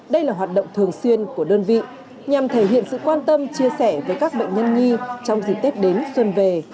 đây là hoạt động thường xuyên của đơn vị nhằm thể hiện sự quan tâm chia sẻ với các bệnh nhân nhi trong dịp tết đến xuân về